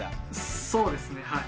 そうですねはい。